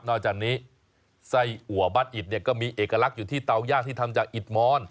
จากนี้ไส้อัวบ้านอิดเนี่ยก็มีเอกลักษณ์อยู่ที่เตาย่าที่ทำจากอิดมอน